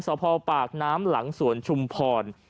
สพปากน้ำหลังสวนชุมพร